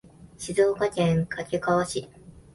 静岡県掛川市